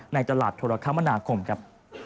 ในจลาดธุรกรรมนาคมครับ